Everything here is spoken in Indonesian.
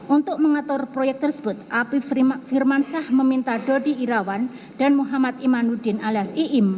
untuk mengatur proyek tersebut api firmansyah meminta dodi irawan dan muhammad imanuddin alias iim